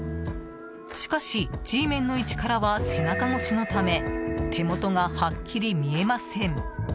しかし、Ｇメンの位置からは背中越しのため手元がはっきり見えません。